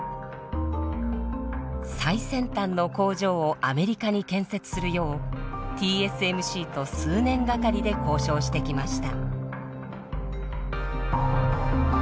最先端の工場をアメリカに建設するようＴＳＭＣと数年がかりで交渉してきました。